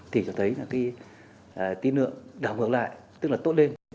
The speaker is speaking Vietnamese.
thì cho thấy cái thiên lượng đã ngược lại tức là tốt lên